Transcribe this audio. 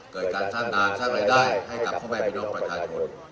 เกิดการสร้างงานสร้างรายได้ให้กับพ่อแม่พี่น้องประชาชน